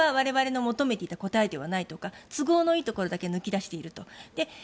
これは我々の求めていた答えではないとか都合のいいところだけ抜き出していると。